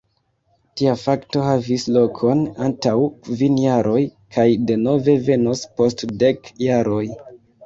Tia fakto havis lokon antaŭ kvin jaroj kaj denove venos post dek jaroj.